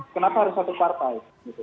kenapa harus satu partai